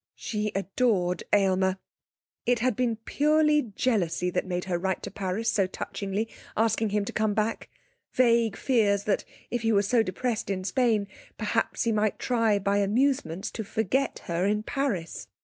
She adored Aylmer! It had been purely jealousy that made her write to Paris so touchingly, asking him to come back vague fears that, if he were so depressed in Spain, perhaps he might try by amusements to forget her in Paris.